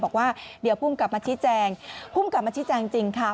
บอกว่าเดี๋ยวภูมิกลับมาชี้แจงภูมิกลับมาชี้แจงจริงค่ะ